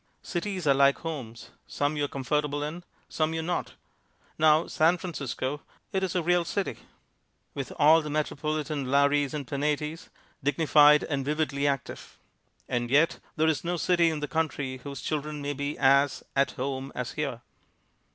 Cities are like homes. Some you're comfortable in some you're not. Now, San Francisco, it is a real city, with all the metropolitan lares and penates, dignified and vividly active. And yet there is no city in the country whose children may be as "at home" as here.